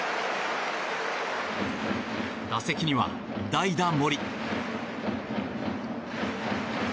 打席には代打、森。